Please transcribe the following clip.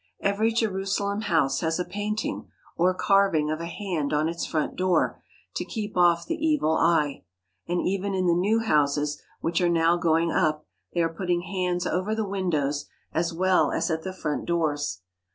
Every Jerusalem house has a painting or carving of a hand on its front door to keep off the evil eye; and even in the new houses which are now going up they are putting hands over the windows as well 78 THE EVIL EYE as at the front doors.